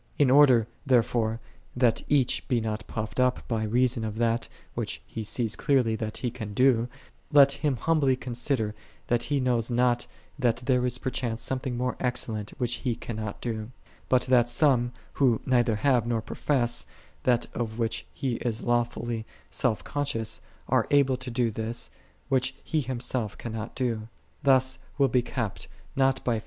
In order, therefore, that each be not puffed up by reason of that, which he sees clearly that he can do, let him humbly con sider that he knows not that there is per chance something more excellent which he cannot do, but that some, who neither have nor profess that of which he is lawfully self • is, are able to do this, which he him sdt cannot do. Thus will be kept, not by